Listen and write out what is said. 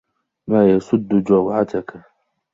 مَا يَسُدُّ جَوْعَتَك